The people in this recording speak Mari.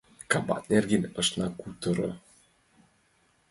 Кабак нерген ышна кутыро.